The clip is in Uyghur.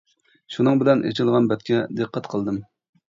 شۇنىڭ بىلەن ئېچىلغان بەتكە دىققەت قىلدىم.